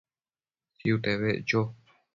Tsiute beccho